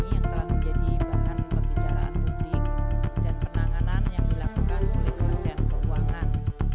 yang telah menjadi bahan pembicaraan publik dan penanganan yang dilakukan oleh kementerian keuangan